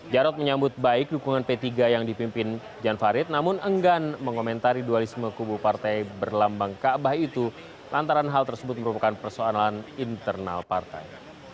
jarod menyambut baik dukungan p tiga yang dipimpin jan farid namun enggan mengomentari dualisme kubu partai berlambang kaabah itu lantaran hal tersebut merupakan persoalan internal partai